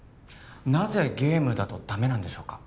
なぜゲームだとダメなんでしょうか？